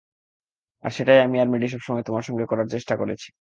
আর সেটাই আমি আর ম্যাডি সবসময় তোমার সঙ্গে করার চেষ্টা করেছি।